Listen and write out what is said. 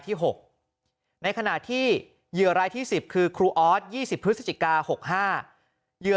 ที่๖ในขณะที่เหยื่อรายที่๑๐คือครูออส๒๐พฤศจิกา๖๕เหยื่อ